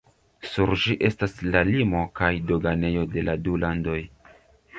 Sur ĝi estas la limo kaj doganejo de la du landoj.